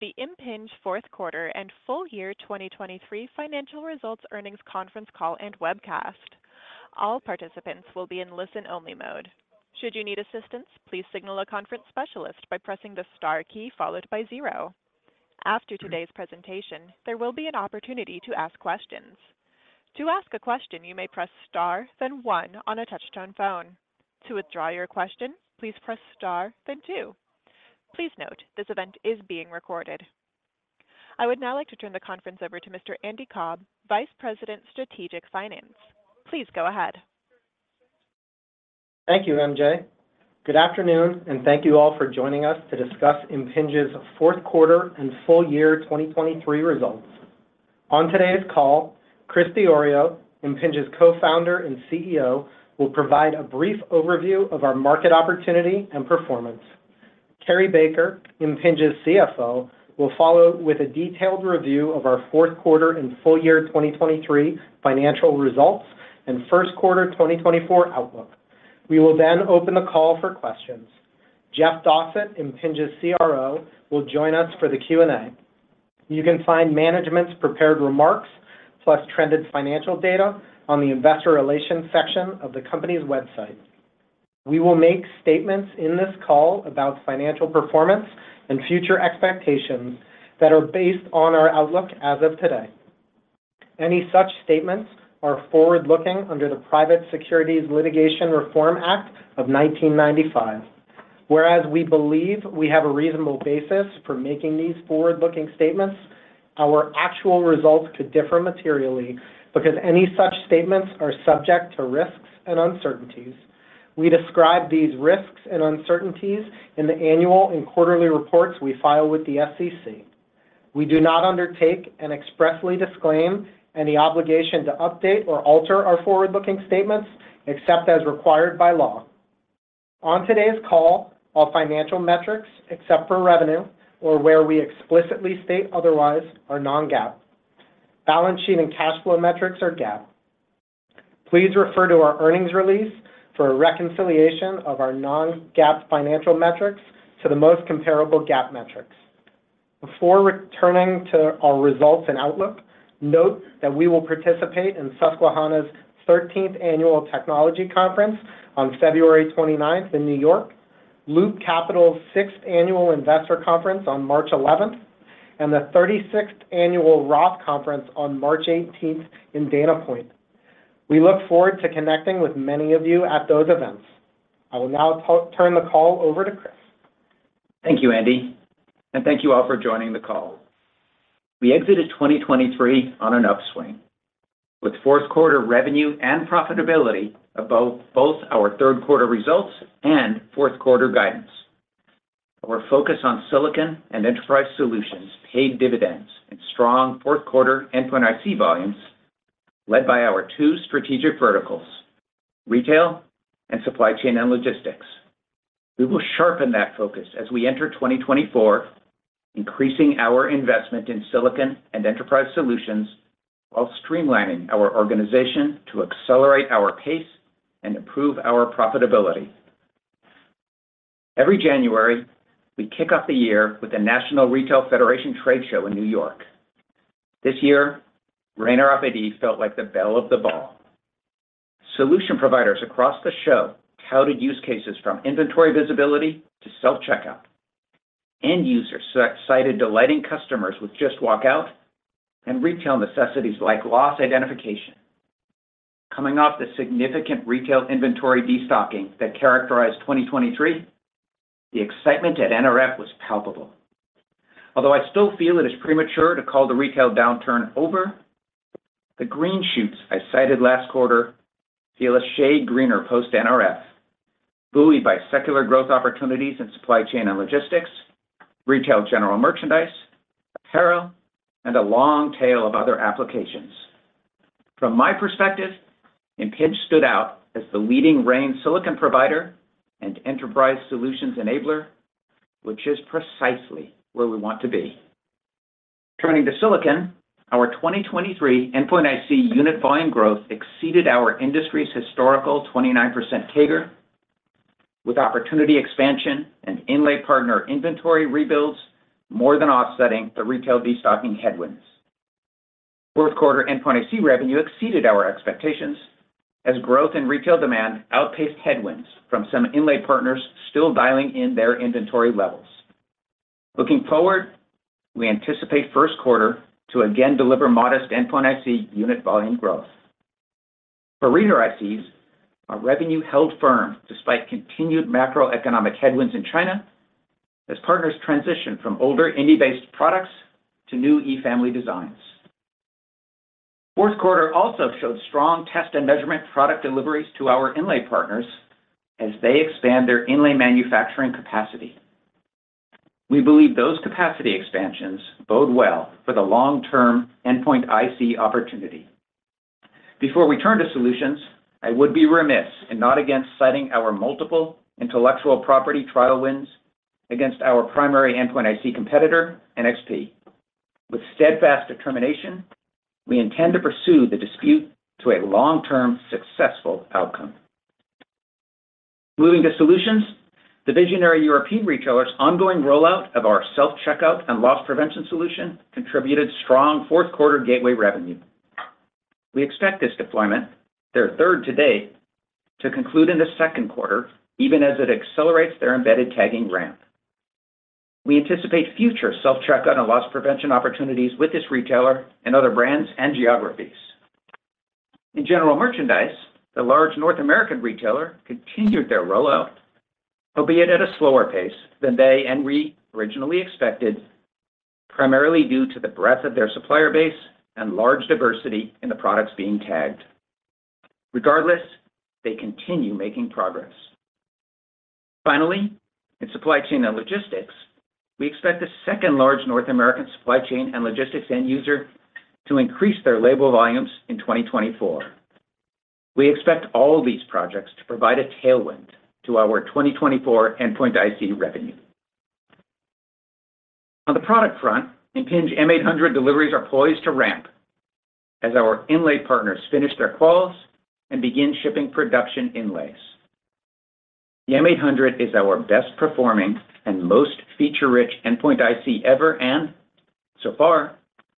The Impinj Q4 andFull year 2023 Financial results earnings conference call and webcast. All participants will be in listen-only mode. Should you need assistance, please signal a conference specialist by pressing the star key followed by zero. After today's presentation, there will be an opportunity to ask questions. To ask a question, you may press star, then one, on a touch-tone phone. To withdraw your question, please press star, then two. Please note, this event is being recorded. I would now like to turn the conference over to Mr. Andy Cobb, Vice President Strategic Finance. Please go ahead. Thank you, MJ. Good afternoon, and thank you all for joining us to discuss Impinj's Q4 and Full year 2023 results. On today's call, Chris Diorio, Impinj's co-founder and CEO, will provide a brief overview of our market opportunity and performance. Cary Baker, Impinj's CFO, will follow with a detailed review of our Q4 and full year 2023 financial results and Q1 2024 outlook. We will then open the call for questions. Jeff Dossett, Impinj's CRO, will join us for the Q&A. You can find management's prepared remarks plus trended financial data on the investor relations section of the company's website. We will make statements in this call about financial performance and future expectations that are based on our outlook as of today. Any such statements are forward-looking under the Private Securities Litigation Reform Act of 1995. Whereas we believe we have a reasonable basis for making these forward-looking statements, our actual results could differ materially because any such statements are subject to risks and uncertainties. We describe these risks and uncertainties in the annual and quarterly reports we file with the SEC. We do not undertake and expressly disclaim any obligation to update or alter our forward-looking statements except as required by law. On today's call, all financial metrics except for revenue or where we explicitly state otherwise are non-GAAP. Balance sheet and cash flow metrics are GAAP. Please refer to our earnings release for a reconciliation of our non-GAAP financial metrics to the most comparable GAAP metrics. Before returning to our results and outlook, note that we will participate in Susquehanna's 13th Annual Technology Conference on February 29th in New York, Loop Capital's Sixth Annual Investor Conference on March 11th, and the 36th Annual Roth Conference on March 18th in Dana Point. We look forward to connecting with many of you at those events. I will now turn the call over to Chris. Thank you, Andy, and thank you all for joining the call. We exited 2023 on an upswing, with Q4 revenue and profitability above both our Q3 results and Q4 guidance. Our focus on silicon and enterprise solutions paid dividends in strong Q4 endpoint IC volumes led by our two strategic verticals, retail and supply chain and logistics. We will sharpen that focus as we enter 2024, increasing our investment in silicon and enterprise solutions while streamlining our organization to accelerate our pace and improve our profitability. Every January, we kick off the year with the National Retail Federation Trade Show in New York. This year, RAIN RFID felt like the bell of the ball. Solution providers across the show touted use cases from inventory visibility to self-checkout. End users cited delighting customers with Just Walk Out and retail necessities like loss identification. Coming off the significant retail inventory destocking that characterized 2023, the excitement at NRF was palpable. Although I still feel it is premature to call the retail downturn over, the green shoots I cited last quarter feel a shade greener post-NRF, buoyed by secular growth opportunities in supply chain and logistics, retail general merchandise, apparel, and a long tail of other applications. From my perspective, Impinj stood out as the leading RAIN silicon provider and enterprise solutions enabler, which is precisely where we want to be. Turning to silicon, our 2023 endpoint IC unit volume growth exceeded our industry's historical 29% CAGR, with opportunity expansion and inlay partner inventory rebuilds more than offsetting the retail destocking headwinds. Q4 endpoint IC revenue exceeded our expectations as growth in retail demand outpaced headwinds from some inlay partners still dialing in their inventory levels. Looking forward, we anticipate Q1 to again deliver modest endpoint IC unit volume growth. For reader ICs, our revenue held firm despite continued macroeconomic headwinds in China as partners transitioned from older Indy-based products to new E-family designs. Q4 also showed strong test and measurement product deliveries to our inlay partners as they expand their inlay manufacturing capacity. We believe those capacity expansions bode well for the long-term endpoint IC opportunity. Before we turn to solutions, I would be remiss and not against citing our multiple intellectual property trial wins against our primary endpoint IC competitor, NXP. With steadfast determination, we intend to pursue the dispute to a long-term successful outcome. Moving to solutions, the visionary European retailer's ongoing rollout of our self-checkout and loss prevention solution contributed strong Q4 gateway revenue. We expect this deployment, their third today, to conclude in the Q2, even as it accelerates their embedded tagging ramp. We anticipate future self-checkout and loss prevention opportunities with this retailer and other brands and geographies. In general merchandise, the large North American retailer continued their rollout, albeit at a slower pace than they and we originally expected, primarily due to the breadth of their supplier base and large diversity in the products being tagged. Regardless, they continue making progress. Finally, in supply chain and logistics, we expect the second large North American supply chain and logistics end user to increase their label volumes in 2024. We expect all these projects to provide a tailwind to our 2024 endend IC revenue. On the product front, Impinj M800 deliveries are poised to ramp as our inlay partners finish their quals and begin shipping production inlays. The M800 is our best performing and most feature-rich endpoint IC ever, and so far,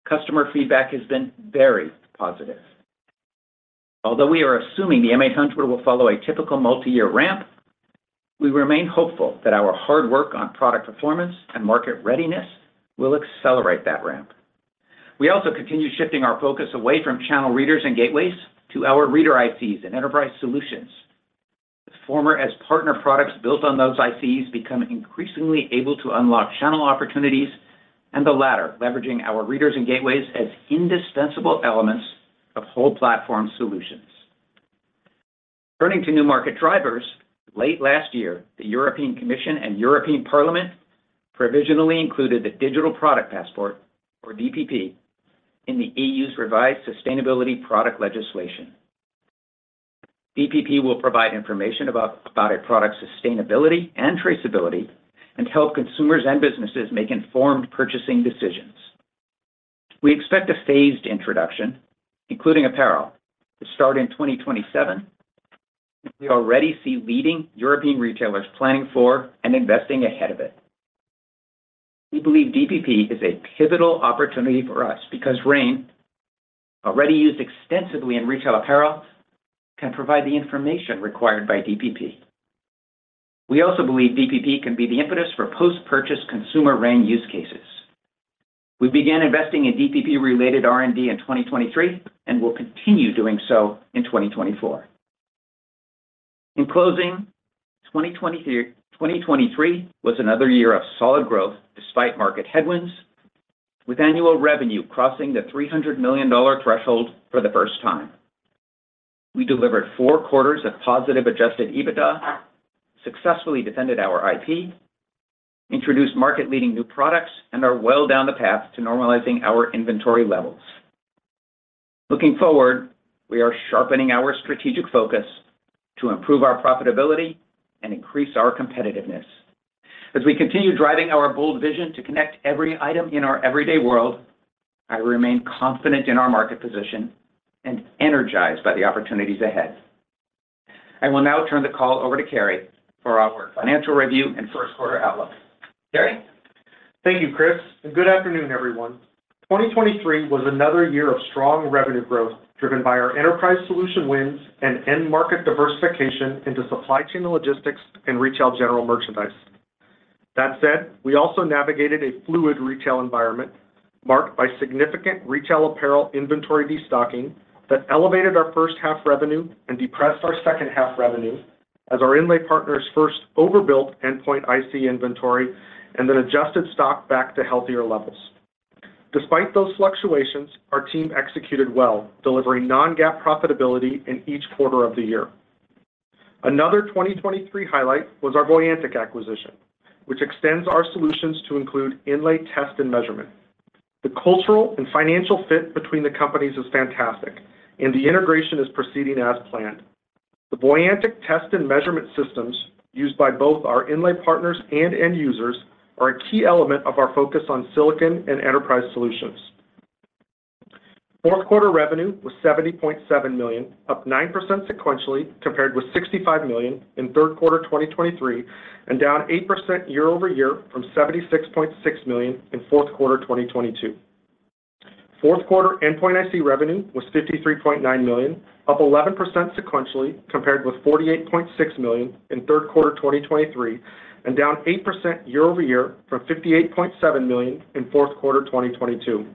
customer feedback has been very positive. Although we are assuming the M800 will follow a typical multi-year ramp, we remain hopeful that our hard work on product performance and market readiness will accelerate that ramp. We also continue shifting our focus away from channel readers and gateways to our reader ICs and enterprise solutions. The former as partner products built on those ICs become increasingly able to unlock channel opportunities and the latter, leveraging our readers and gateways as indispensable elements of whole-platform solutions. Turning to new market drivers, late last year, the European Commission and European Parliament provisionally included the Digital Product Passport, or DPP, in the EU's revised sustainability product legislation. DPP will provide information about a product's sustainability and traceability and help consumers and businesses make informed purchasing decisions. We expect a phased introduction, including apparel, to start in 2027, and we already see leading European retailers planning for and investing ahead of it. We believe DPP is a pivotal opportunity for us because RAIN, already used extensively in retail apparel, can provide the information required by DPP. We also believe DPP can be the impetus for post-purchase consumer RAIN use cases. We began investing in DPP-related R&D in 2023 and will continue doing so in 2024. In closing, 2023 was another year of solid growth despite market headwinds, with annual revenue crossing the $300 million threshold for the first time. We delivered four quarters of positive Adjusted EBITDA, successfully defended our IP, introduced market-leading new products, and are well down the path to normalizing our inventory levels. Looking forward, we are sharpening our strategic focus to improve our profitability and increase our competitiveness. As we continue driving our bold vision to connect every item in our everyday world, I remain confident in our market position and energized by the opportunities ahead. I will now turn the call over to Cary for our financial review and Q1 outlook. Cary? Thank you, Chris. Good afternoon, everyone. 2023 was another year of strong revenue growth driven by our enterprise solution wins and end-market diversification into supply chain and logistics and retail general merchandise. That said, we also navigated a fluid retail environment marked by significant retail apparel inventory destocking that elevated our first half revenue and depressed our second half revenue as our inlay partners first overbuilt endpoint IC inventory and then adjusted stock back to healthier levels. Despite those fluctuations, our team executed well, delivering non-GAAP profitability in each quarter of the year. Another 2023 highlight was our Voyantic acquisition, which extends our solutions to include inlay test and measurement. The cultural and financial fit between the companies is fantastic, and the integration is proceeding as planned. The Voyantic test and measurement systems used by both our inlay partners and end users are a key element of our focus on silicon and enterprise solutions. Q4 revenue was $70.7 million, up 9% sequentially compared with $65 million in Q3 2023 and down 8% year-over-year from $76.6 million in Q4 2022. Q4 endpoint IC revenue was $53.9 million, up 11% sequentially compared with $48.6 million in Q3 2023 and down 8% year-over-year from $58.7 million in Q4 2022.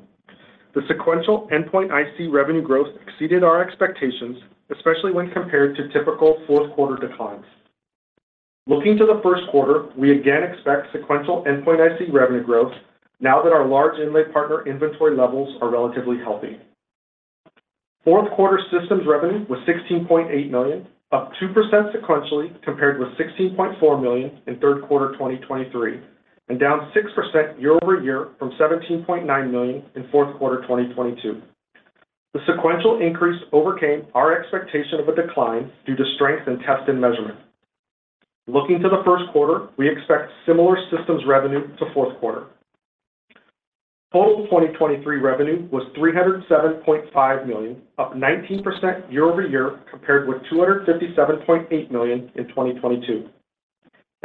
The sequential endpoint IC revenue growth exceeded our expectations, especially when compared to typical Q4 declines. Looking to the Q1 we again expect sequential endpoint IC revenue growth now that our large inlay partner inventory levels are relatively healthy. Q4 systems revenue was $16.8 million, up 2% sequentially compared with $16.4 million in Q3 2023 and down 6% year-over-year from $17.9 million in Q4 2022. The sequential increase overcame our expectation of a decline due to strength in test and measurement. Looking to the Q1, we expect similar systems revenue to Q4. Total 2023 revenue was $307.5 million, up 19% year-over-year compared with $257.8 million in 2022.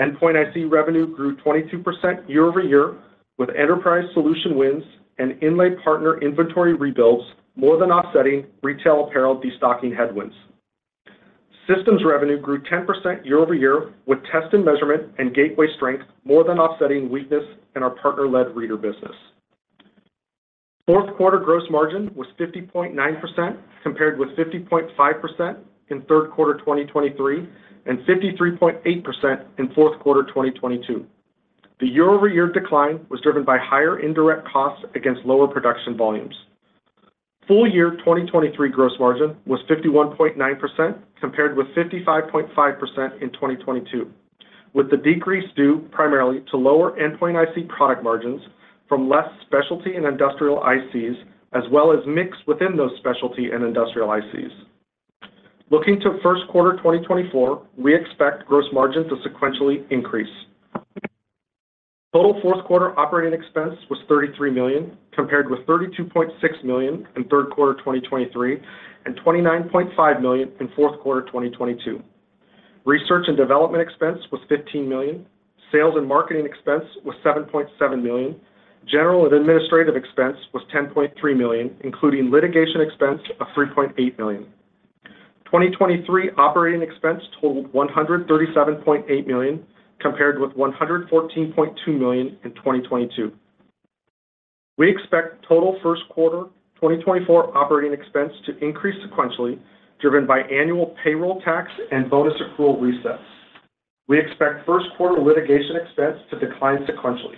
Endpoint IC revenue grew 22% year-over-year with enterprise solution wins and inlay partner inventory rebuilds more than offsetting retail apparel destocking headwinds. Systems revenue grew 10% year-over-year with test and measurement and gateway strength more than offsetting weakness in our partner-led reader business. Q4 gross margin was 50.9% compared with 50.5% in Q3 2023 and 53.8% in Q4 2022. The year-over-year decline was driven by higher indirect costs against lower production volumes. Full-year 2023 gross margin was 51.9% compared with 55.5% in 2022, with the decrease due primarily to lower endpoint IC product margins from less specialty and industrial ICs as well as mix within those specialty and industrial ICs. Looking to Q1 2024, we expect gross margin to sequentially increase. Total Q4 operating expense was $33 million compared with $32.6 million in Q3 2023 and $29.5 million in Q4 2022. Research and development expense was $15 million. Sales and marketing expense was $7.7 million. General and administrative expense was $10.3 million, including litigation expense of $3.8 million. 2023 operating expense totaled $137.8 million compared with $114.2 million in 2022. We expect total Q1 2024 operating expense to increase sequentially, driven by annual payroll tax and bonus accrual resets. We expect Q1 litigation expense to decline sequentially.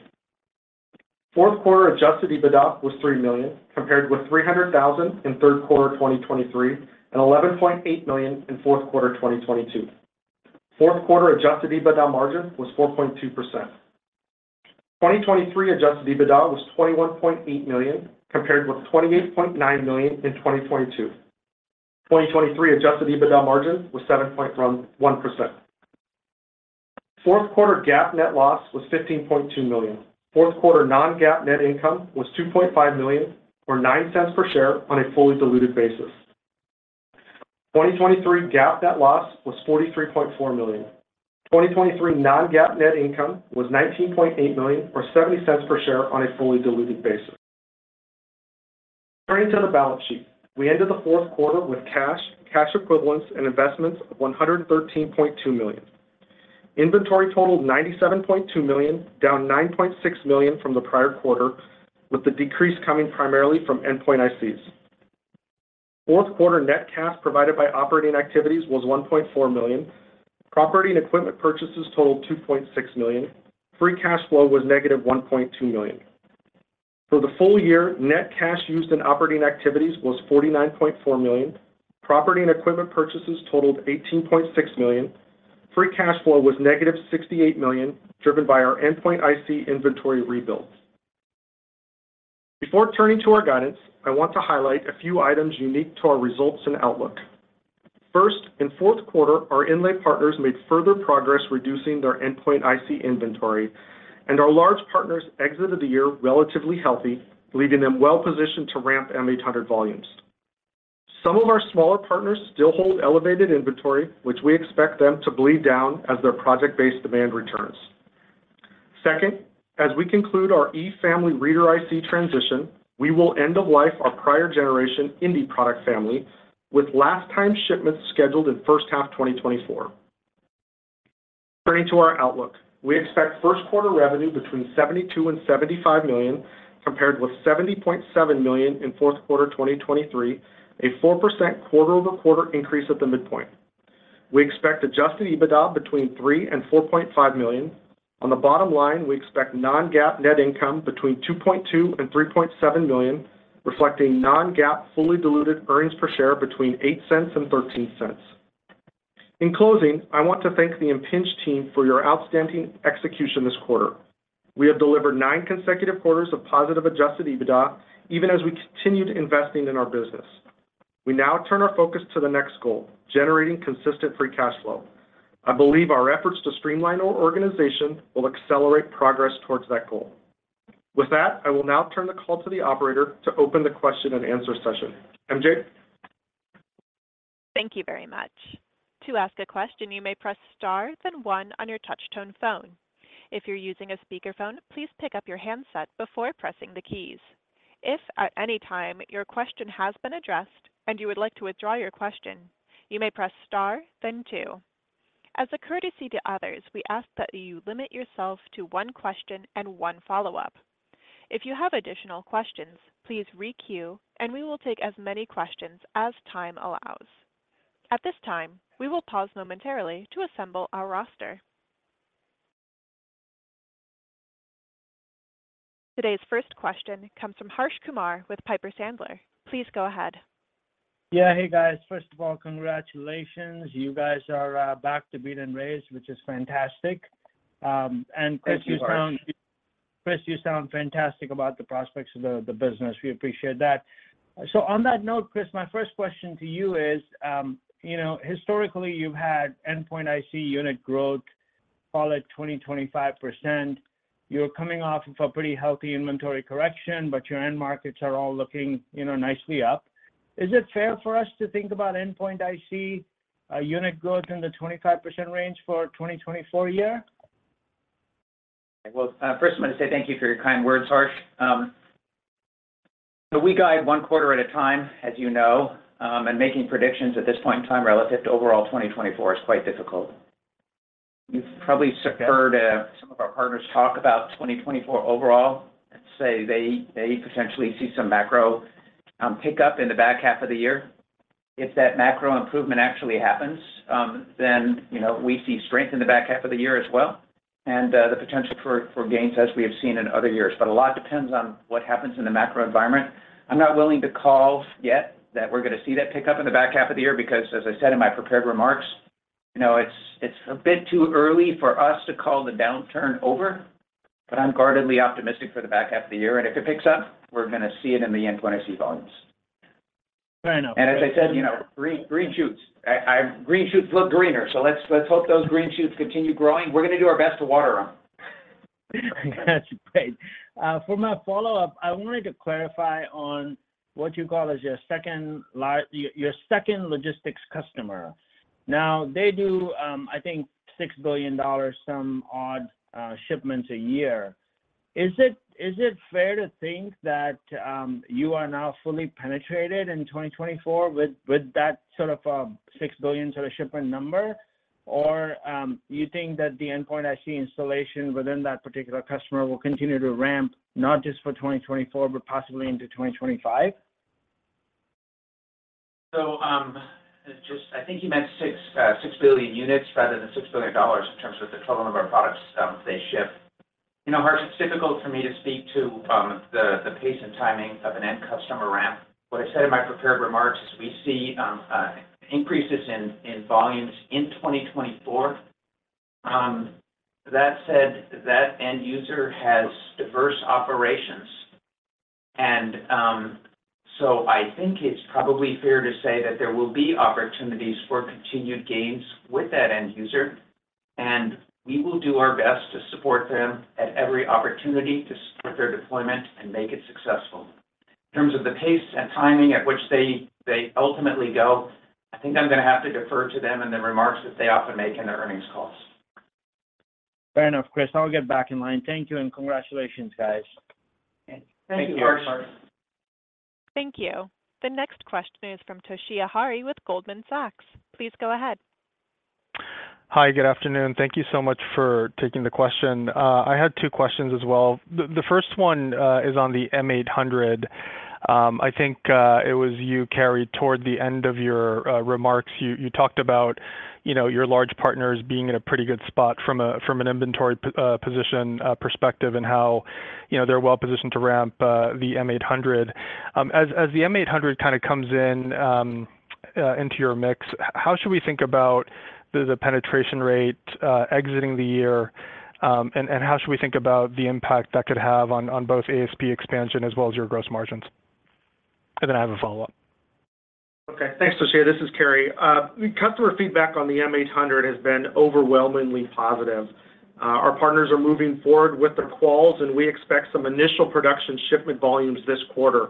Q4 Adjusted EBITDA was $3 million compared with $300,000 in Q3 2023 and $11.8 million in Q4 2022. Q4 Adjusted EBITDA margin was 4.2%. 2023 Adjusted EBITDA was $21.8 million compared with $28.9 million in 2022. 2023 Adjusted EBITDA margin was 7.1%. Q4 GAAP net loss was $15.2 million. Q4 non-GAAP net income was $2.5 million or $0.09 per share on a fully diluted basis. 2023 GAAP net loss was $43.4 million. 2023 non-GAAP net income was $19.8 million or $0.70 per share on a fully diluted basis. Turning to the balance sheet, we ended the Q4 with cash, cash equivalents, and investments of $113.2 million. Inventory totaled $97.2 million, down $9.6 million from the prior quarter, with the decrease coming primarily from endpoint ICs. Q4 net cash provided by operating activities was $1.4 million. Property and equipment purchases totaled $2.6 million. Free cash flow was negative $1.2 million. For the full year, net cash used in operating activities was $49.4 million. Property and equipment purchases totaled $18.6 million. Free cash flow was negative $68 million driven by our endpoint IC inventory rebuilds. Before turning to our guidance, I want to highlight a few items unique to our results and outlook. First, in Q4, our inlay partners made further progress reducing their endpoint IC inventory, and our large partners exited the year relatively healthy, leaving them well positioned to ramp M800 volumes. Some of our smaller partners still hold elevated inventory, which we expect them to bleed down as their project-based demand returns. Second, as we conclude our E-family reader IC transition, we will end of life our prior generation Indy product family with last-time shipments scheduled in first half 2024. Turning to our outlook, we expect Q1 revenue between $72million-$75 million compared with $70.7 million in Q4 2023, a 4% quarter-over-quarter increase at the midpoint. We expect Adjusted EBITDA between $3million-$4.5 million. On the bottom line, we expect non-GAAP net income between $2.2million-$3.7 million, reflecting non-GAAP fully diluted earnings per share between $0.08-$0.13. In closing, I want to thank the Impinj team for your outstanding execution this quarter. We have delivered nine consecutive quarters of positive Adjusted EBITDA even as we continued investing in our business. We now turn our focus to the next goal, generating consistent free cash flow. I believe our efforts to streamline our organization will accelerate progress towards that goal. With that, I will now turn the call to the operator to open the question and answer session. MJ? Thank you very much. To ask a question, you may press star then one on your touch-tone phone. If you're using a speakerphone, please pick up your handset before pressing the keys. If at any time your question has been addressed and you would like to withdraw your question, you may press star then two. As a courtesy to others, we ask that you limit yourself to one question and one follow-up. If you have additional questions, please re-queue, and we will take as many questions as time allows. At this time, we will pause momentarily to assemble our roster. Today's first question comes from Harsh Kumar with Piper Sandler. Please go ahead. Yeah, hey guys. First of all, congratulations. You guys are back to beat and raise, which is fantastic. And Chris, you sound fantastic about the prospects of the business. We appreciate that. So on that note, Chris, my first question to you is, historically, you've had endpoint IC unit growth, call it 20-25%. You're coming off of a pretty healthy inventory correction, but your end markets are all looking nicely up. Is it fair for us to think about endpoint IC unit growth in the 25% range for 2024 year? Well, first, I'm going to say thank you for your kind words, Harsh. We guide one quarter at a time, as you know, and making predictions at this point in time relative to overall 2024 is quite difficult. You've probably heard some of our partners talk about 2024 overall and say they potentially see some macro pickup in the back half of the year. If that macro improvement actually happens, then we see strength in the back half of the year as well and the potential for gains as we have seen in other years. But a lot depends on what happens in the macro environment. I'm not willing to call yet that we're going to see that pickup in the back half of the year because, as I said in my prepared remarks, it's a bit too early for us to call the downturn over, but I'm guardedly optimistic for the back half of the year. And if it picks up, we're going to see it in the endpoint IC volumes. Fair enough. As I said, green shoots. Green shoots look greener, so let's hope those green shoots continue growing. We're going to do our best to water them. That's great. For my follow-up, I wanted to clarify on what you call as your second logistics customer. Now, they do, I think, $6 billion, some odd shipments a year. Is it fair to think that you are now fully penetrated in 2024 with that sort of $6 billion sort of shipment number, or do you think that the endpoint IC installation within that particular customer will continue to ramp not just for 2024 but possibly into 2025? I think you meant $6 billion units rather than $6 billion in terms of the total number of products they ship. Harsh, it's difficult for me to speak to the pace and timing of an end customer ramp. What I said in my prepared remarks is we see increases in volumes in 2024. That said, that end user has diverse operations. And so I think it's probably fair to say that there will be opportunities for continued gains with that end user, and we will do our best to support them at every opportunity to support their deployment and make it successful. In terms of the pace and timing at which they ultimately go, I think I'm going to have to defer to them and the remarks that they often make in their earnings calls. Fair enough, Chris. I'll get back in line. Thank you and congratulations, guys. Thank you, Harsh. Thank you. Thank you. The next question is from Toshiya Hari with Goldman Sachs. Please go ahead. Hi, good afternoon. Thank you so much for taking the question. I had two questions as well. The first one is on the M800. I think it was you, Cary, toward the end of your remarks, you talked about your large partners being in a pretty good spot from an inventory position perspective and how they're well positioned to ramp the M800. As the M800 kind of comes into your mix, how should we think about the penetration rate exiting the year, and how should we think about the impact that could have on both ASP expansion as well as your gross margins? And then I have a follow-up. Okay. Thanks, Toshiya. This is Cary. Customer feedback on the M800 has been overwhelmingly positive. Our partners are moving forward with their calls, and we expect some initial production shipment volumes this quarter.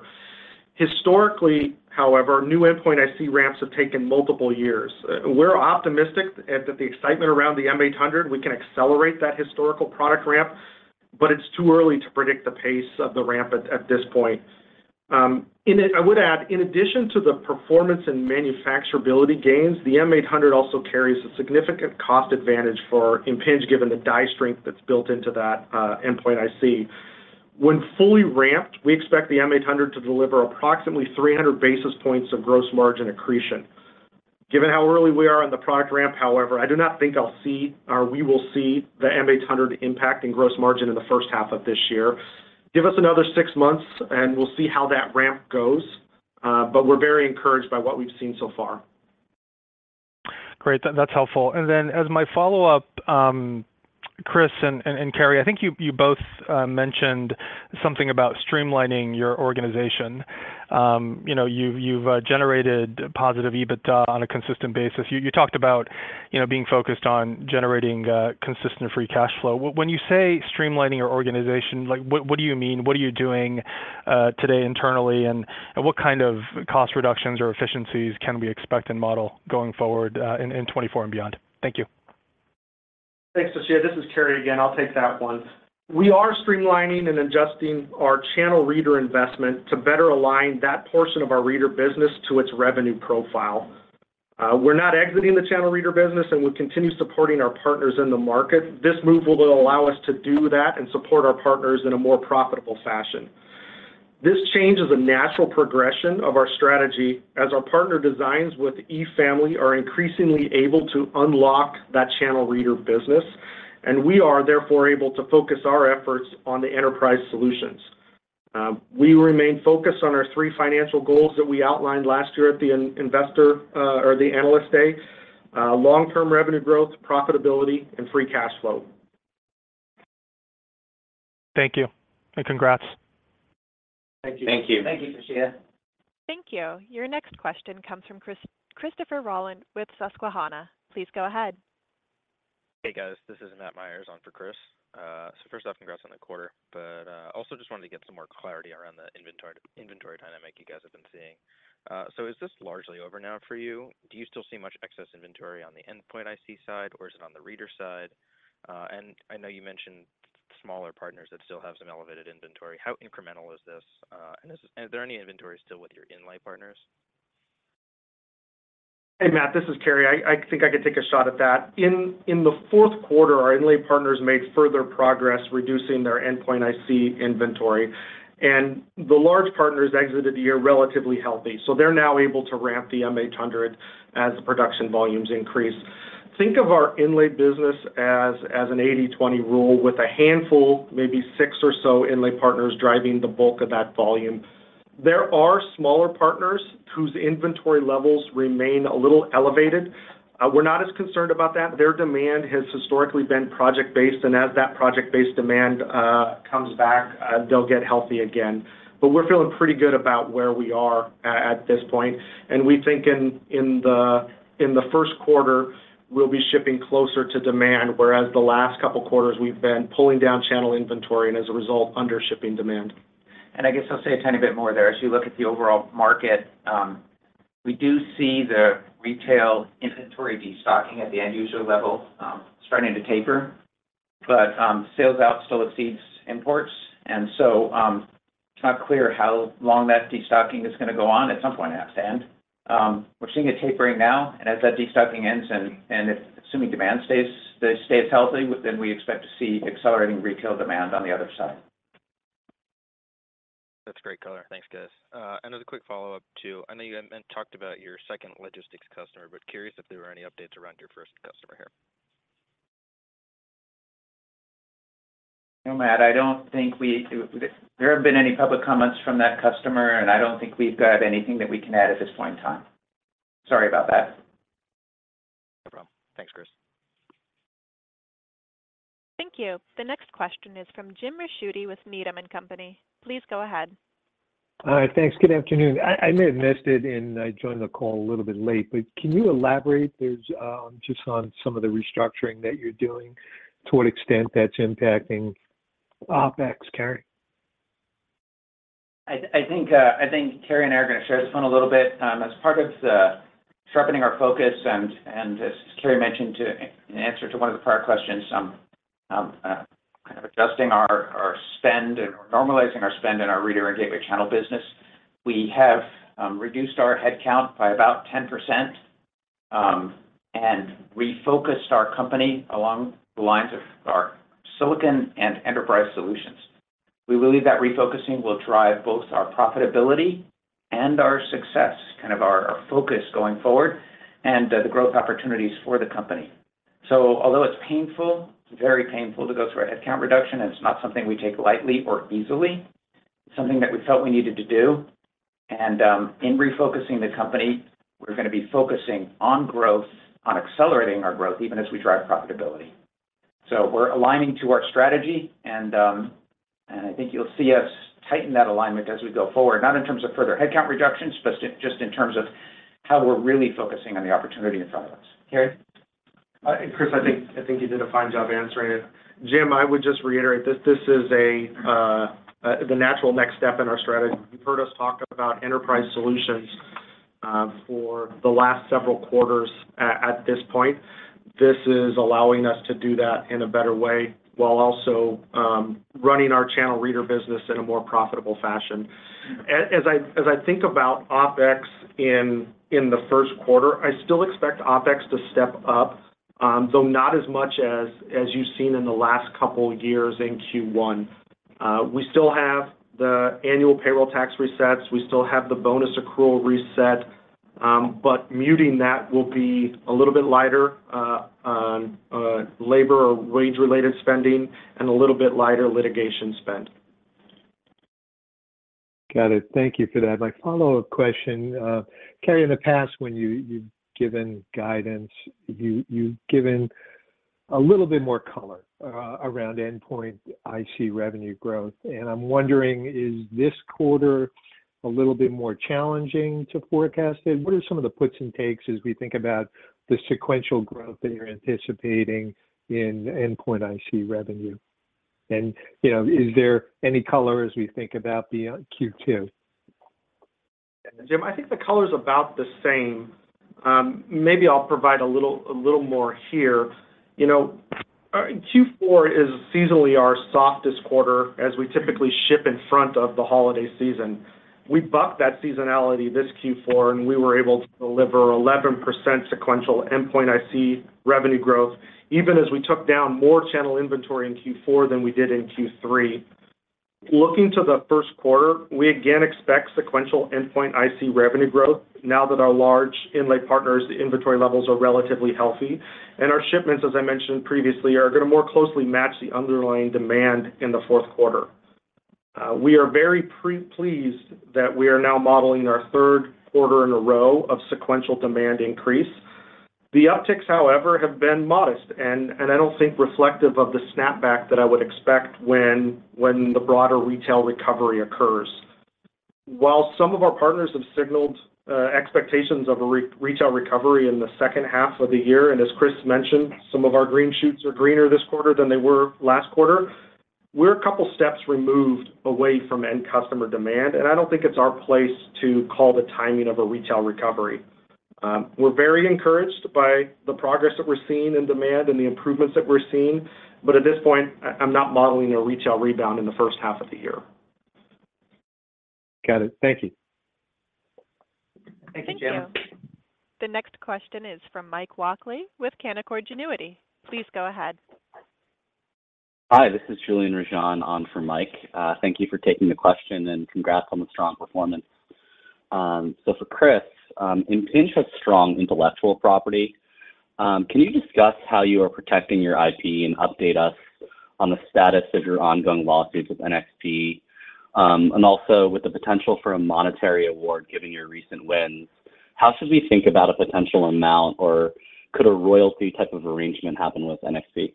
Historically, however, new endpoint IC ramps have taken multiple years. We're optimistic that the excitement around the M800, we can accelerate that historical product ramp, but it's too early to predict the pace of the ramp at this point. I would add, in addition to the performance and manufacturability gains, the M800 also carries a significant cost advantage for Impinj given the die strength that's built into that endpoint IC. When fully ramped, we expect the M800 to deliver approximately 300 basis points of gross margin accretion. Given how early we are on the product ramp, however, I do not think I'll see or we will see the M800 impacting gross margin in the first half of this year. Give us another six months, and we'll see how that ramp goes. But we're very encouraged by what we've seen so far. Great. That's helpful. And then as my follow-up, Chris and Cary, I think you both mentioned something about streamlining your organization. You've generated positive EBITDA on a consistent basis. You talked about being focused on generating consistent free cash flow. When you say streamlining your organization, what do you mean? What are you doing today internally, and what kind of cost reductions or efficiencies can we expect and model going forward in 2024 and beyond? Thank you. Thanks, Toshiya. This is Cary again. I'll take that one. We are streamlining and adjusting our channel reader investment to better align that portion of our reader business to its revenue profile. We're not exiting the channel reader business, and we continue supporting our partners in the market. This move will allow us to do that and support our partners in a more profitable fashion. This change is a natural progression of our strategy as our partner designs with E-family are increasingly able to unlock that channel reader business, and we are, therefore, able to focus our efforts on the enterprise solutions. We remain focused on our three financial goals that we outlined last year at the Investor Day or the Analyst Day: long-term revenue growth, profitability, and free cash flow. Thank you and congrats. Thank you. Thank you. Thank you, Toshiya. Thank you. Your next question comes from Christopher Rolland with Susquehanna. Please go ahead. Hey guys, this is Matt Myers. On for Chris. So first off, congrats on the quarter, but also just wanted to get some more clarity around the inventory dynamic you guys have been seeing. So is this largely over now for you? Do you still see much excess inventory on the endpoint IC side, or is it on the reader side? And I know you mentioned smaller partners that still have some elevated inventory. How incremental is this? And are there any inventories still with your inlay partners? Hey Matt, this is Cary. I think I could take a shot at that. In the Q4, our inlay partners made further progress reducing their endpoint IC inventory, and the large partners exited the year relatively healthy. So they're now able to ramp the M800 as the production volumes increase. Think of our inlay business as an 80/20 rule with a handful, maybe six or so inlay partners driving the bulk of that volume. There are smaller partners whose inventory levels remain a little elevated. We're not as concerned about that. Their demand has historically been project-based, and as that project-based demand comes back, they'll get healthy again. But we're feeling pretty good about where we are at this point. We think in the Q1, we'll be shipping closer to demand, whereas the last couple of quarters, we've been pulling down channel inventory and, as a result, undershipping demand. I guess I'll say a tiny bit more there. As you look at the overall market, we do see the retail inventory destocking at the end user level starting to taper, but sales out still exceeds imports. So it's not clear how long that destocking is going to go on. At some point, it has to end. We're seeing it tapering now, and as that destocking ends and assuming demand stays healthy, then we expect to see accelerating retail demand on the other side. That's great, Color. Thanks, guys. As a quick follow-up too, I know you had talked about your second logistics customer, but curious if there were any updates around your first customer here. No, Matt, I don't think that there have been any public comments from that customer, and I don't think we've got anything that we can add at this point in time. Sorry about that. No problem. Thanks, Chris. Thank you. The next question is from Jim Ricchiuti with Needham & Company. Please go ahead. All right. Thanks. Good afternoon. I may have missed it, and I joined the call a little bit late, but can you elaborate just on some of the restructuring that you're doing, to what extent that's impacting OpEx, Cary? I think Cary and I are going to share this one a little bit. As part of sharpening our focus, and as Cary mentioned in answer to one of the prior questions, kind of adjusting our spend and normalizing our spend in our reader and gateway channel business, we have reduced our headcount by about 10% and refocused our company along the lines of our silicon and enterprise solutions. We believe that refocusing will drive both our profitability and our success, kind of our focus going forward, and the growth opportunities for the company. So although it's painful, it's very painful to go through a headcount reduction, and it's not something we take lightly or easily. It's something that we felt we needed to do. In refocusing the company, we're going to be focusing on growth, on accelerating our growth even as we drive profitability. So we're aligning to our strategy, and I think you'll see us tighten that alignment as we go forward, not in terms of further headcount reductions, but just in terms of how we're really focusing on the opportunity in front of us. Cary? Chris, I think you did a fine job answering it. Jim, I would just reiterate that this is the natural next step in our strategy. You've heard us talk about enterprise solutions for the last several quarters at this point. This is allowing us to do that in a better way while also running our channel reader business in a more profitable fashion. As I think about OpEx in the Q1, I still expect OpEx to step up, though not as much as you've seen in the last couple of years in Q1. We still have the annual payroll tax resets. We still have the bonus accrual reset, but muting that will be a little bit lighter on labor or wage-related spending and a little bit lighter litigation spend. Got it. Thank you for that. My follow-up question. Cary, in the past, when you've given guidance, you've given a little bit more color around endpoint IC revenue growth. I'm wondering, is this quarter a little bit more challenging to forecast it? What are some of the puts and takes as we think about the sequential growth that you're anticipating in endpoint IC revenue? Is there any color as we think about Q2? Jim, I think the color's about the same. Maybe I'll provide a little more here. Q4 is seasonally our softest quarter as we typically ship in front of the holiday season. We bucked that seasonality this Q4, and we were able to deliver 11% sequential Endpoint IC revenue growth even as we took down more channel inventory in Q4 than we did in Q3. Looking to the Q1, we again expect sequential Endpoint IC revenue growth now that our large inlay partners' inventory levels are relatively healthy. And our shipments, as I mentioned previously, are going to more closely match the underlying demand in the Q4. We are very pleased that we are now modeling our Q3 in a row of sequential demand increase. The upticks, however, have been modest, and I don't think reflective of the snapback that I would expect when the broader retail recovery occurs. While some of our partners have signaled expectations of a retail recovery in the second half of the year, and as Chris mentioned, some of our green shoots are greener this quarter than they were last quarter, we're a couple of steps removed away from end-customer demand, and I don't think it's our place to call the timing of a retail recovery. We're very encouraged by the progress that we're seeing in demand and the improvements that we're seeing, but at this point, I'm not modeling a retail rebound in the first half of the year. Got it. Thank you. Thank you, Jim. Thank you. The next question is from Mike Walkley with Canaccord Genuity. Please go ahead. Hi. This is Julian Rajan on for Mike. Thank you for taking the question, and congrats on the strong performance. So for Chris, Impinj has strong intellectual property. Can you discuss how you are protecting your IP and update us on the status of your ongoing lawsuits with NXP? And also, with the potential for a monetary award given your recent wins, how should we think about a potential amount, or could a royalty type of arrangement happen with NXP?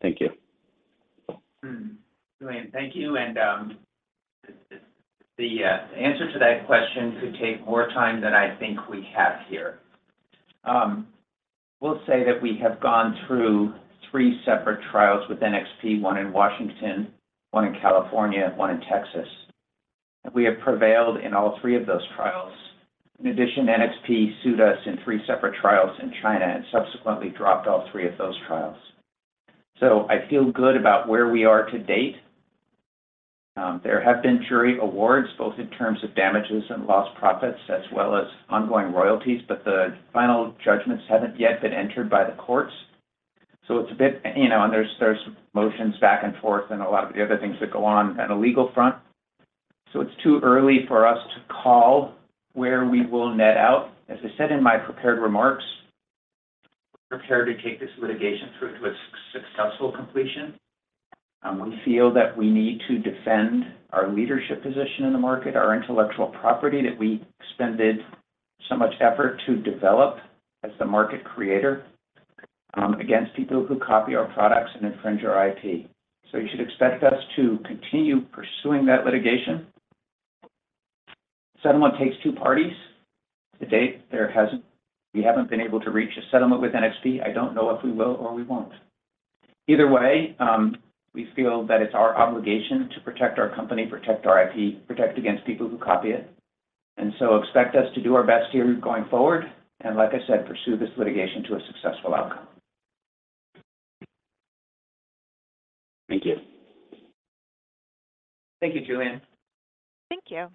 Thank you. Julian, thank you. The answer to that question could take more time than I think we have here. We'll say that we have gone through three separate trials with NXP, one in Washington, one in California, one in Texas, and we have prevailed in all three of those trials. In addition, NXP sued us in three separate trials in China and subsequently dropped all three of those trials. So I feel good about where we are to date. There have been jury awards, both in terms of damages and lost profits, as well as ongoing royalties, but the final judgments haven't yet been entered by the courts. So it's a bit and there's motions back and forth and a lot of the other things that go on on a legal front. So it's too early for us to call where we will net out. As I said in my prepared remarks, we're prepared to take this litigation through to its successful completion. We feel that we need to defend our leadership position in the market, our intellectual property that we spent so much effort to develop as the market creator against people who copy our products and infringe our IP. So you should expect us to continue pursuing that litigation. Settlement takes two parties. To date, we haven't been able to reach a settlement with NXP. I don't know if we will or we won't. Either way, we feel that it's our obligation to protect our company, protect our IP, protect against people who copy it. So expect us to do our best here going forward and, like I said, pursue this litigation to a successful outcome. Thank you. Thank you, Julian. Thank you.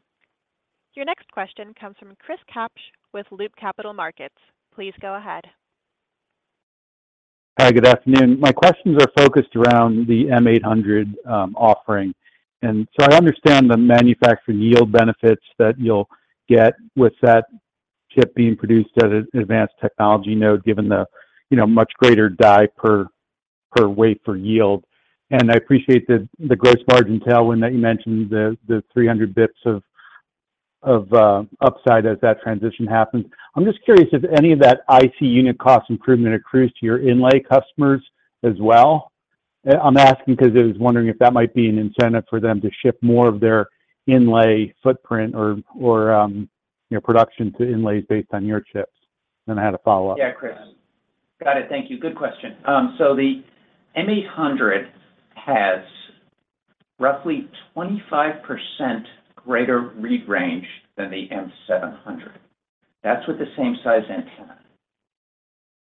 Your next question comes from Chris Kapsch with Loop Capital Markets. Please go ahead. Hi. Good afternoon. My questions are focused around the M800 offering. So I understand the manufacturing yield benefits that you'll get with that chip being produced at an advanced technology node given the much greater die per wafer for yield. I appreciate the gross margin tailwind that you mentioned, the 300 basis points of upside as that transition happens. I'm just curious if any of that IC unit cost improvement accrues to your inlay customers as well. I'm asking because I was wondering if that might be an incentive for them to ship more of their inlay footprint or production to inlays based on your chips. I'm going to have to follow up. Yeah, Chris. Got it. Thank you. Good question. So the M800 has roughly 25% greater read range than the M700. That's with the same size antenna.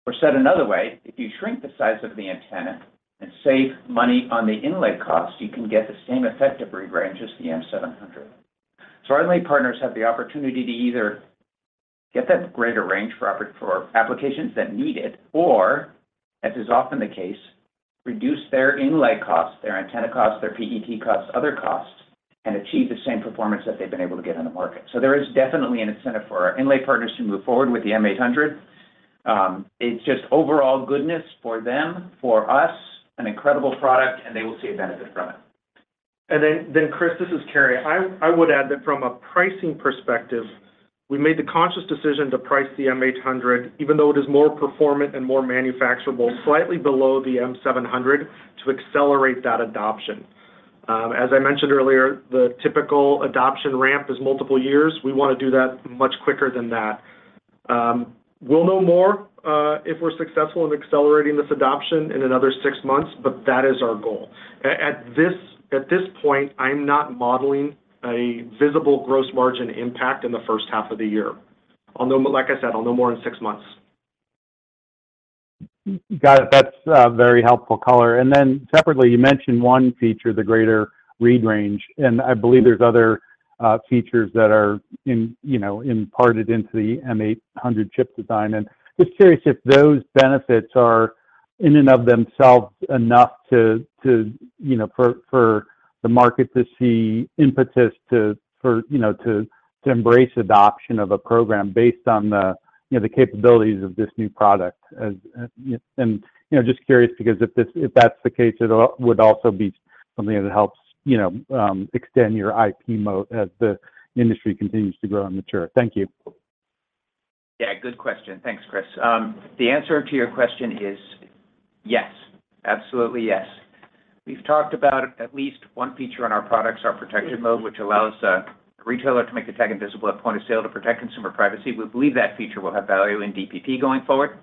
Or said another way, if you shrink the size of the antenna and save money on the inlay cost, you can get the same effective read range as the M700. So our inlay partners have the opportunity to either get that greater range for applications that need it or, as is often the case, reduce their inlay costs, their antenna costs, their PET costs, other costs, and achieve the same performance that they've been able to get in the market. So there is definitely an incentive for our inlay partners to move forward with the M800. It's just overall goodness for them, for us, an incredible product, and they will see a benefit from it. And then, Chris, this is Cary. I would add that from a pricing perspective, we made the conscious decision to price the M800, even though it is more performant and more manufacturable, slightly below the M700 to accelerate that adoption. As I mentioned earlier, the typical adoption ramp is multiple years. We want to do that much quicker than that. We'll know more if we're successful in accelerating this adoption in another six months, but that is our goal. At this point, I'm not modeling a visible gross margin impact in the first half of the year. Like I said, I'll know more in six months. Got it. That's very helpful color. And then separately, you mentioned one feature, the greater read range. And I believe there's other features that are imparted into the M800 chip design. And just curious if those benefits are in and of themselves enough for the market to see impetus to embrace adoption of a program based on the capabilities of this new product? And just curious because if that's the case, it would also be something that helps extend your IP moat as the industry continues to grow and mature. Thank you. Yeah. Good question. Thanks, Chris. The answer to your question is yes. Absolutely yes. We've talked about at least one feature on our products, our protection mode, which allows a retailer to make the tag invisible at point of sale to protect consumer privacy. We believe that feature will have value in DPP going forward.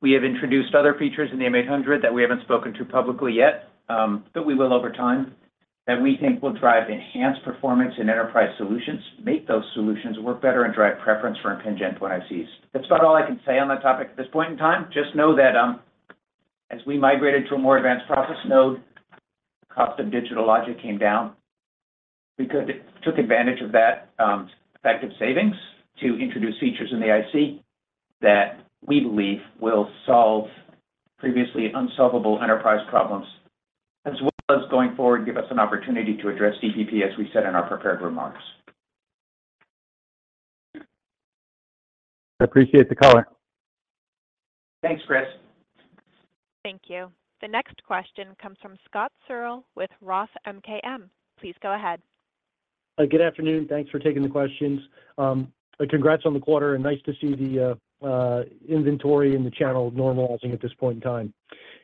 We have introduced other features in the M800 that we haven't spoken to publicly yet, but we will over time, that we think will drive enhanced performance in enterprise solutions, make those solutions work better, and drive preference for Impinj endpoint ICs. That's about all I can say on that topic at this point in time. Just know that as we migrated to a more advanced process node, the cost of digital logic came down. We took advantage of that effective savings to introduce features in the IC that we believe will solve previously unsolvable enterprise problems, as well as going forward give us an opportunity to address DPP as we said in our prepared remarks. I appreciate the color. Thanks, Chris. Thank you. The next question comes from Scott Searle with Roth MKM. Please go ahead. Good afternoon. Thanks for taking the questions. Congrats on the quarter, and nice to see the inventory in the channel normalizing at this point in time.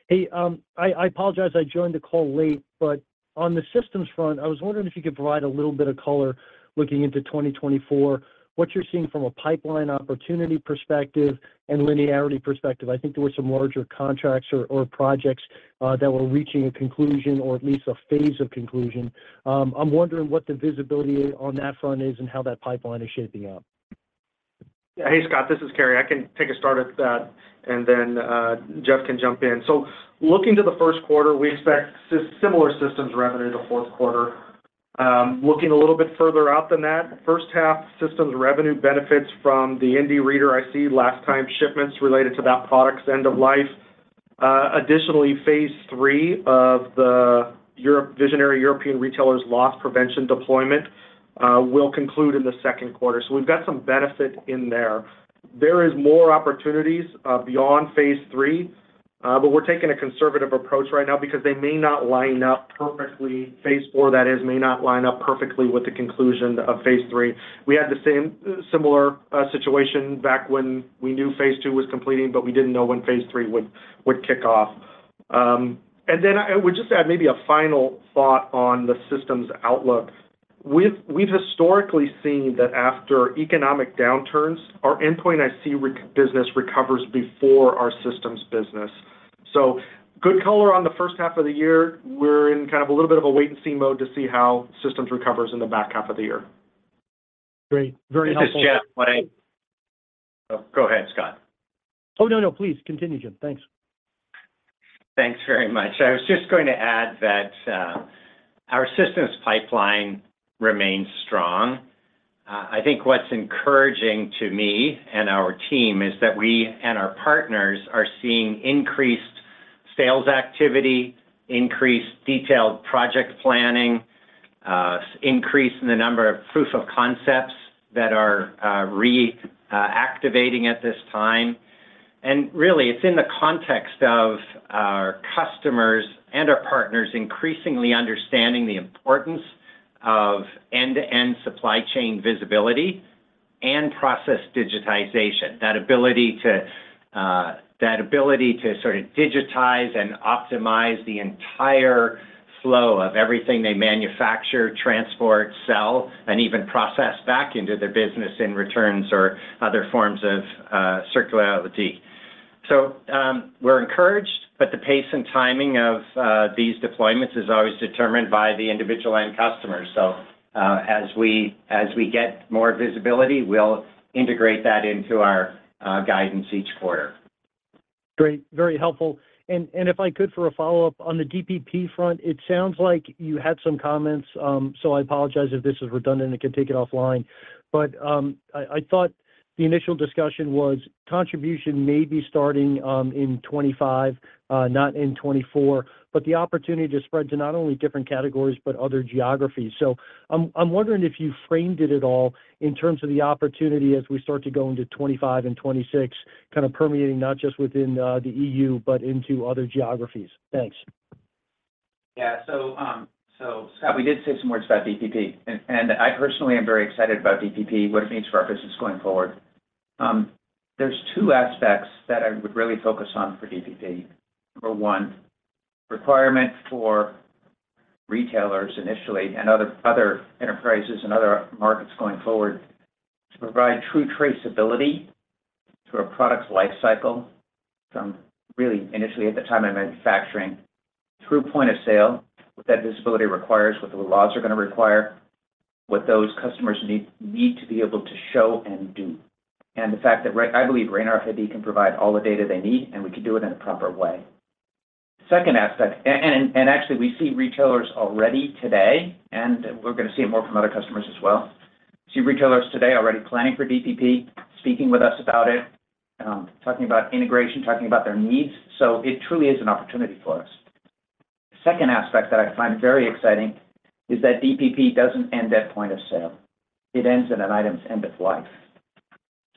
Hey, I apologize. I joined the call late, but on the systems front, I was wondering if you could provide a little bit of color looking into 2024, what you're seeing from a pipeline opportunity perspective and linearity perspective. I think there were some larger contracts or projects that were reaching a conclusion or at least a phase of conclusion. I'm wondering what the visibility on that front is and how that pipeline is shaping up. Yeah. Hey, Scott. This is Cary. I can take a start at that, and then Jeff can jump in. So looking to the Q1, we expect similar systems revenue the Q4. Looking a little bit further out than that, first half systems revenue benefits from the Indy Reader IC last-time shipments related to that product's end of life. Additionally, phase three of the visionary European retailer's Loss Prevention deployment will conclude in the Q2. So we've got some benefit in there. There is more opportunities beyond phase three, but we're taking a conservative approach right now because they may not line up perfectly phase four, that is, may not line up perfectly with the conclusion of phase three. We had the similar situation back when we knew phase two was completing, but we didn't know when phase three would kick off. Then I would just add maybe a final thought on the systems outlook. We've historically seen that after economic downturns, our endpoint IC business recovers before our systems business. Good color on the first half of the year. We're in kind of a little bit of a wait-and-see mode to see how systems recovers in the back half of the year. Great. Very helpful. This is Jeff. Go ahead, Scott. Oh, no, no. Please continue, Jeff. Thanks. Thanks very much. I was just going to add that our systems pipeline remains strong. I think what's encouraging to me and our team is that we and our partners are seeing increased sales activity, increased detailed project planning, increase in the number of proof of concepts that are reactivating at this time. And really, it's in the context of our customers and our partners increasingly understanding the importance of end-to-end supply chain visibility and process digitization, that ability to sort of digitize and optimize the entire flow of everything they manufacture, transport, sell, and even process back into their business in returns or other forms of circularity. So we're encouraged, but the pace and timing of these deployments is always determined by the individual end customer. So as we get more visibility, we'll integrate that into our guidance each quarter. Great. Very helpful. And if I could for a follow-up on the DPP front, it sounds like you had some comments, so I apologize if this is redundant and could take it offline. But I thought the initial discussion was contribution may be starting in 2025, not in 2024, but the opportunity to spread to not only different categories but other geographies. So I'm wondering if you framed it at all in terms of the opportunity as we start to go into 2025 and 2026, kind of permeating not just within the EU but into other geographies. Thanks. Yeah. So, Scott, we did say some words about DPP, and I personally am very excited about DPP, what it means for our business going forward. There's two aspects that I would really focus on for DPP. Number one, requirement for retailers initially and other enterprises and other markets going forward to provide true traceability to a product's lifecycle from really initially at the time of manufacturing through point of sale, what that visibility requires, what the laws are going to require, what those customers need to be able to show and do, and the fact that I believe RAIN RFID can provide all the data they need, and we can do it in a proper way. Second aspect and actually, we see retailers already today, and we're going to see it more from other customers as well. We see retailers today already planning for DPP, speaking with us about it, talking about integration, talking about their needs. So it truly is an opportunity for us. The second aspect that I find very exciting is that DPP doesn't end at point of sale. It ends at an item's end of life.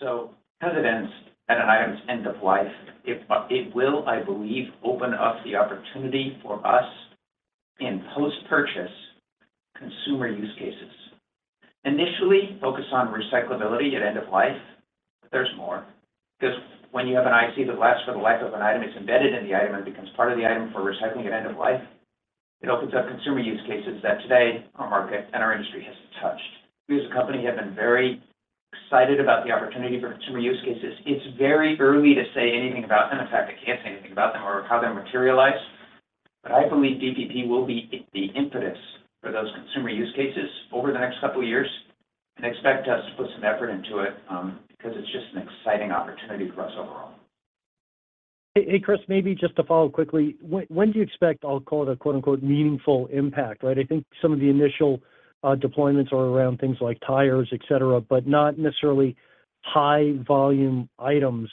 So how does it end at an item's end of life? It will, I believe, open up the opportunity for us in post-purchase consumer use cases. Initially, focus on recyclability at end of life, but there's more. Because when you have an IC that lasts for the life of an item, it's embedded in the item and becomes part of the item for recycling at end of life. It opens up consumer use cases that today our market and our industry hasn't touched. We as a company have been very excited about the opportunity for consumer use cases. It's very early to say anything about them. In fact, I can't say anything about them or how they materialize. But I believe DPP will be the impetus for those consumer use cases over the next couple of years and expect us to put some effort into it because it's just an exciting opportunity for us overall. Hey, Chris, maybe just to follow up quickly, when do you expect I'll call it a "meaningful impact," right? I think some of the initial deployments are around things like tires, etc., but not necessarily high-volume items.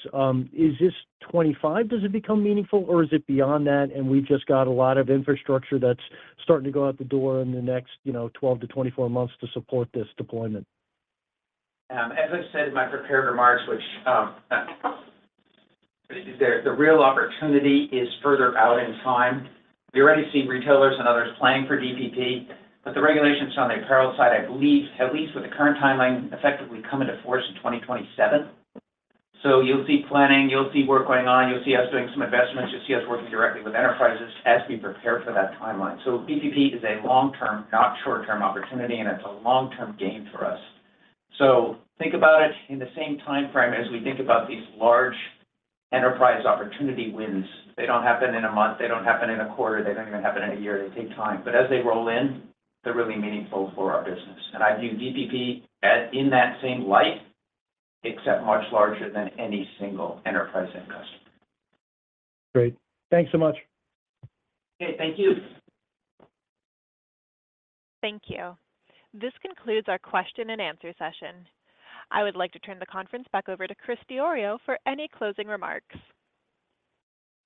Is this 2025, does it become meaningful, or is it beyond that, and we've just got a lot of infrastructure that's starting to go out the door in the next 12-24 months to support this deployment? As I said in my prepared remarks, the real opportunity is further out in time. We already see retailers and others planning for DPP, but the regulations on the apparel side, I believe, at least with the current timeline, effectively come into force in 2027. So you'll see planning. You'll see work going on. You'll see us doing some investments. You'll see us working directly with enterprises as we prepare for that timeline. So DPP is a long-term, not short-term opportunity, and it's a long-term gain for us. So think about it in the same timeframe as we think about these large enterprise opportunity wins. They don't happen in a month. They don't happen in a quarter. They don't even happen in a year. They take time. But as they roll in, they're really meaningful for our business. I view DPP in that same light, except much larger than any single enterprise end customer. Great. Thanks so much. Okay. Thank you. Thank you. This concludes our question-and-answer session. I would like to turn the conference back over to Chris Diorio for any closing remarks.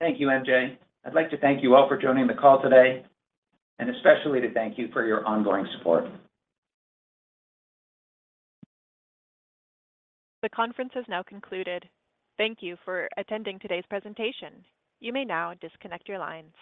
Thank you, MJ. I'd like to thank you all for joining the call today, and especially to thank you for your ongoing support. The conference has now concluded. Thank you for attending today's presentation. You may now disconnect your lines.